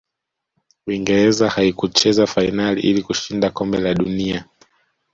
uingereza haikucheza fainali ili kushinda kombe la dunia